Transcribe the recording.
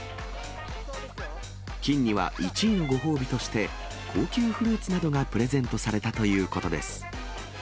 キンには１位のご褒美として、高級フルーツなどがプレゼントされたということです。